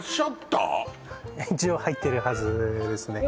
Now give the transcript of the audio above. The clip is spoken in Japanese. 一応入ってるはずですね